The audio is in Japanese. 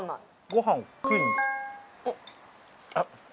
あっ！